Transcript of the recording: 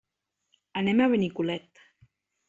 Anem a Benicolet.